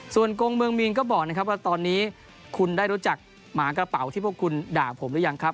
ส่วนกงเมืองมีนก็บอกนะครับว่าตอนนี้คุณได้รู้จักหมากระเป๋าที่พวกคุณด่าผมหรือยังครับ